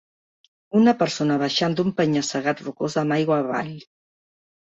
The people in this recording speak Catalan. Una persona baixant d'un penya-segat rocós amb aigua avall